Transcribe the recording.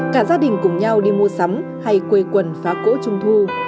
cả gia đình cùng nhau đi mua sắm hay quây quần phá cỗ trung thu